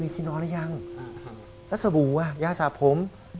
มีที่นอนหรือยัง